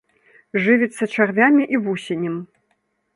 Жывіцца чарвямі і вусенем.